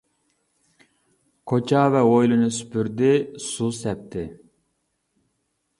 كوچا ۋە ھويلىنى سۈپۈردى، سۇ سەپتى.